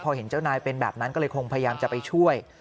พอเห็นเจ้านายเป็นแบบนั้นก็เลยคงพยายามจะไปช่วย